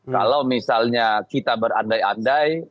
kalau misalnya kita berandai andai